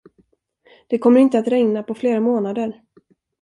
Det kommer inte att regna på flera månader.